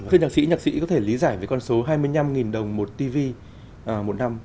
thưa nhạc sĩ nhạc sĩ có thể lý giải về con số hai mươi năm đồng một tv một năm